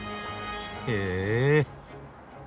へえ。